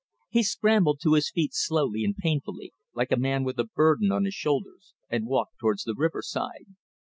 He scrambled to his feet slowly and painfully, like a man with a burden on his shoulders, and walked towards the riverside.